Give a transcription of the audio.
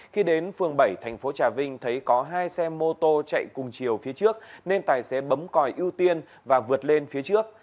khi đến phường bảy thành phố trà vinh thấy có hai xe mô tô chạy cùng chiều phía trước nên tài xế bấm còi ưu tiên và vượt lên phía trước